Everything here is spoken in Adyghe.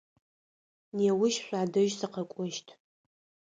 Неущ шъуадэжь сыкъэкӏощт.